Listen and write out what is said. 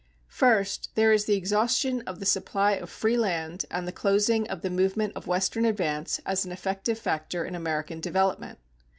First, there is the exhaustion of the supply of free land and the closing of the movement of Western advance as an effective factor in American development.